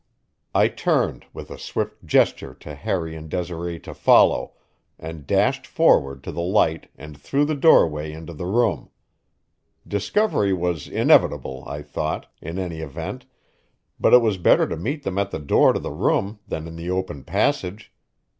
I turned, with a swift gesture to Harry and Desiree to follow, and dashed forward to the light and through the doorway into the room. Discovery was inevitable, I thought, in any event, but it was better to meet them at the door to the room than in the open passage.